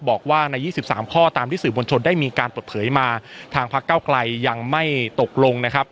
บอกว่าใน๒๓ข้อตามที่สื่อมวลชนได้มีการเปิดเผยมาทางพักเก้าไกลยังไม่ตกลงนะครับ